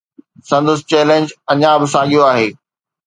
سندس چيلنج اڃا به ساڳيو آهي.